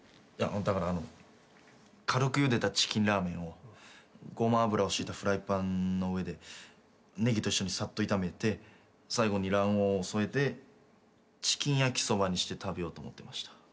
だからあのう軽くゆでたチキンラーメンをごま油を敷いたフライパンの上でネギと一緒にさっと炒めて最後に卵黄を添えてチキン焼きそばにして食べようと思ってました。